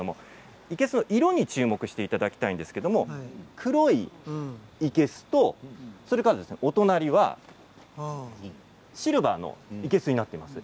生けすの色に注目していただきたいんですけれど黒い生けすと、それからお隣はシルバーの生けすになっています。